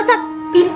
salam ya pak ustadz